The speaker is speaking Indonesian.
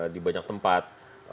di banyak tempat